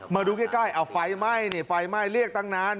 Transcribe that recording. มาดูใกล้เอาไฟไหม้นี่ไฟไหม้เรียกตั้งนาน